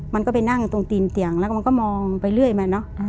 มันก็ไปนั่งตรงตีนเตียงแล้วก็มันก็มองไปเรื่อยมาเนอะ